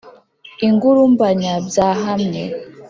ingurumbanya byahamye